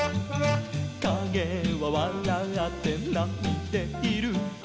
「かげはわらって泣いている」